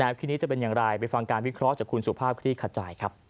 ที่นี้จะเป็นอย่างไรไปฟังการวิเคราะห์จากคุณสุภาพคลี่ขจายครับ